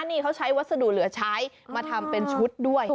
นี่เขาใช้วัสดุเหลือใช้มาทำเป็นชุดด้วย